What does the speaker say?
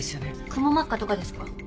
くも膜下とかですか？